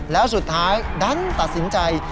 แล้วสุดท้ายดันตัดสินใจ